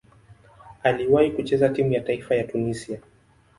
Aliwahi kucheza timu ya taifa ya Tunisia.